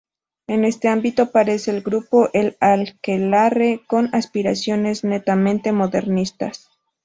En ese ámbito aparece el Grupo El Aquelarre, con aspiraciones netamente modernistas.